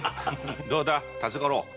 どうだ辰五郎